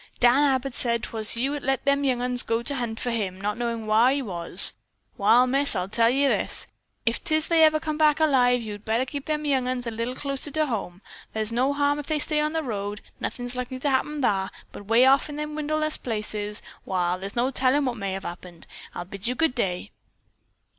"Dan Abbott said 'twas you as let them young 'uns go to hunt for him, not knowin' whar he was. Wall, Miss, I'll tell ye this: If 'tis they ever come back alive, yo'd better keep them young 'uns a little closer to home. Thar's no harm if they stay on the road. Nothin's likely to happen thar, but 'way off in the wilderness places, wall, thar's no tellin' what may have happened. I'll bid you good day."